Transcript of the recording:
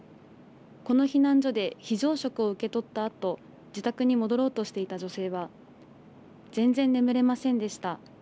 この避難所で非常食を受け取ったあと自宅に戻ろうとしていた女性は、全然眠れませんでした。